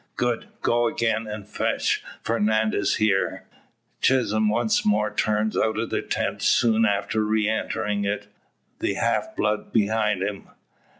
"Good! Go again, and fetch Fernandez here." Chisholm once more turns out of the tent, soon after re entering it, the half blood behind him.